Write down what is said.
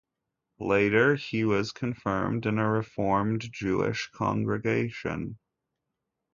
Later, he was confirmed in a Reformed Jewish Congregation.